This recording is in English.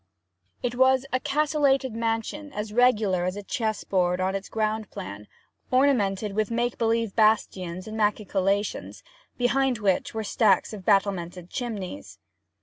It was a castellated mansion as regular as a chessboard on its ground plan, ornamented with make believe bastions and machicolations, behind which were stacks of battlemented chimneys.